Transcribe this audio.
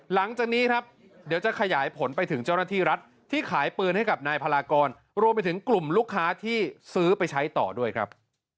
หลังจากนี้ครับเดี๋ยวจะขยายผลไปถึงเจ้าหน้าที่รัฐที่ขายปืนให้กับนายพลากรรวมไปถึงกลุ่มลูกค้าที่ซื้อไปใช้ต่อด้วยครับ